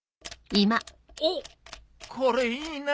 おっこれいいな！